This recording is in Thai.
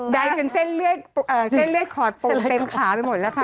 ใดจนเส้นเลือดขอดปมเต็มขาไปหมดแล้วค่ะ